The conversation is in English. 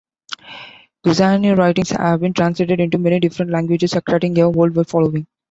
Giussani's writings have been translated into many different languages, attracting a worldwide following.